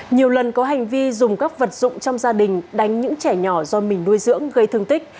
nhiều lần có hành vi dùng các vật dụng trong gia đình đánh những trẻ nhỏ do mình nuôi dưỡng gây thương tích